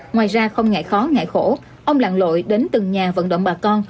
ngoài ra không ngại khó ngại khổ ông lặn lội đến từng nhà vận động bà con